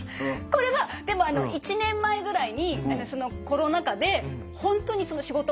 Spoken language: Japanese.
これはでもあの１年前ぐらいにコロナ禍で本当にそのへえ。